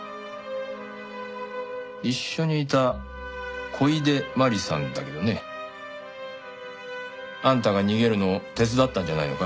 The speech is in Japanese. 一緒にいた小出茉梨さんだけどねあんたが逃げるのを手伝ったんじゃないのか？